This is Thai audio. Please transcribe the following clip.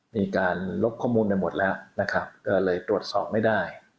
มีการลบข้อมูลไปหมดแล้วนะครับก็เลยตรวจสอบไม่ได้